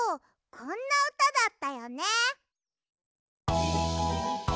こんなうただったよね。